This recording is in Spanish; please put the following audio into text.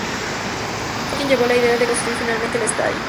Fue quien llevó la idea de construir finalmente el estadio.